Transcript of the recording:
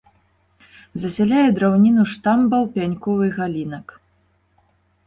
Засяляе драўніну штамбаў, пянькоў і галінак.